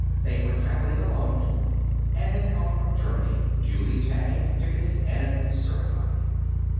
They were traveling alone and had come from Germany, duly tagged, ticketed and certified.